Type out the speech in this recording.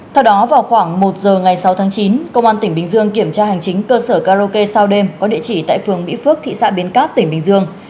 theo đó vào khoảng một giờ ngày sáu tháng chín công an tỉnh bình dương kiểm tra hành chính cơ sở karaoke sao đêm có địa chỉ tại phường mỹ phước thị xã bến cát tỉnh bình dương